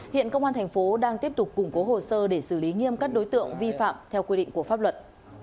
hiện công an tp htn đang tiếp tục củng cố hồ sơ để xử lý nghiêm cắt đối tượng vi phạm theo quy định của pháp luật